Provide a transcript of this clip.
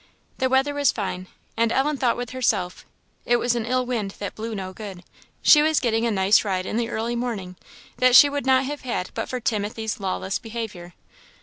The weather was fine, and Ellen thought with herself, it was an ill wind that blew no good. She was getting a nice ride in the early morning, that she would not have had but for Timothy's lawless behaviour.